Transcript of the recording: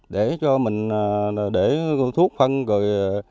để cho mình để thuốc phân rồi